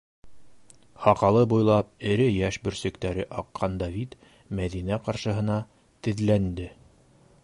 - Һаҡалы буйлап эре йәш бөрсөктәре аҡҡан Давид Мәҙинә ҡаршыһына теҙләнде.